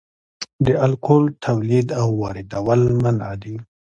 د الکول تولید او واردول منع دي